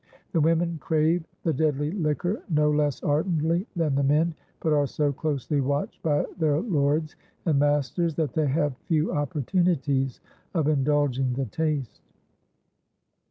The women crave the deadly liquor no less ardently than the men, but are so closely watched by their lords and masters that they have few opportunities of indulging the taste."